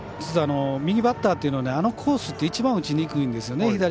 右バッターというのはあのコースって一番、打ちにくいんですよね。